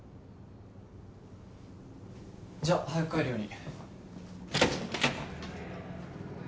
じゃ早く帰るように。